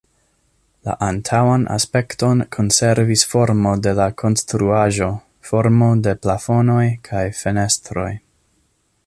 La antaŭan aspekton konservis formo de la konstruaĵo, formo de plafonoj kaj fenestroj.